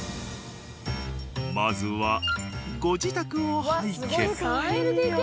まずはご自宅を拝見。